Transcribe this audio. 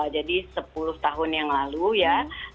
jadi sepuluh tahun yang lalu ya